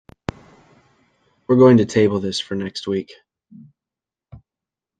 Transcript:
We're going to table this for next week.